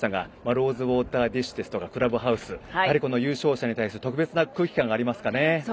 ローズウォーター・ディッシュやクラブハウス、優勝者に対して特別な空気感がありますかね。